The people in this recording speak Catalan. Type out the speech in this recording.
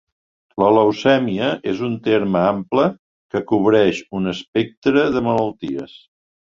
La leucèmia és un terme ample que cobreix un espectre de malalties.